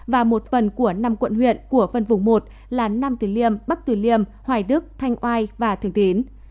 và một phần của năm quận huyện của phần vùng một là nam từ liêm bắc từ liêm hoài đức thanh oai và thực tín